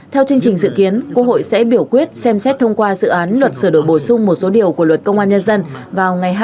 theo chương trình dự kiến quốc hội sẽ biểu quyết xem xét thông qua dự án luật sửa đổi bổ sung một số điều của luật công an nhân dân vào ngày hai mươi